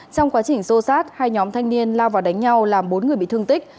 trong quá trình xô sát hai nhóm thanh niên lao vào đánh nhau làm bốn người bị thương tích